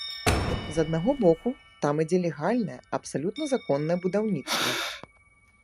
З аднаго боку, там ідзе легальнае, абсалютна законнае будаўніцтва.